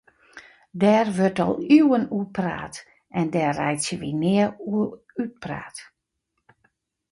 Dêr wurdt al iuwen oer praat en dêr reitsje we nea oer útpraat.